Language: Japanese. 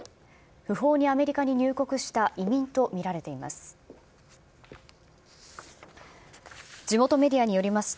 不法にアメリカに入国した移民と見られています。